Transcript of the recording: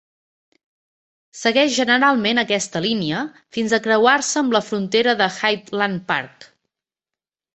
Segueix generalment aquesta línia fins a creuar-se amb la frontera del Highland Park.